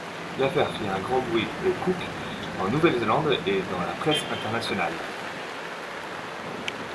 L'affaire fit grand bruit aux Cook, en Nouvelle-Zélande et dans la presse internationale.